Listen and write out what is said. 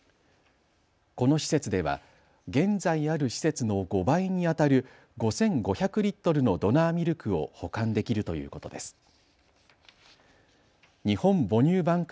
この施設では、現在ある施設の５倍にあたる５５００リットルのドナーミルクを保管できるということです。